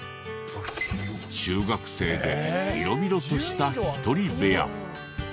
中学生で広々とした１人部屋。